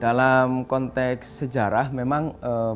dalam konteks sejarah memang